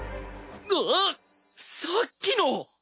あっさっきの！